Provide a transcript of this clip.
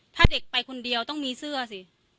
ถ้าเด็กไปคนเดียวต้องมีเสื้อสิ